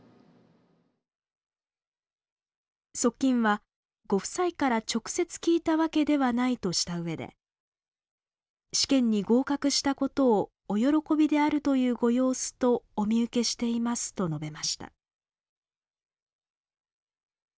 側近はご夫妻から直接聞いたわけではないとした上で「試験に合格したことをお喜びであるというご様子とお見受けしています」と述べました。